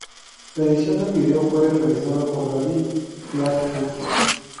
La edición del vídeo fue realizada por David Blackburn.